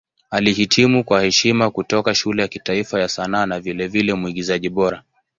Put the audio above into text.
Alihitimu kwa heshima kutoka Shule ya Kitaifa ya Sanaa na vilevile Mwigizaji Bora.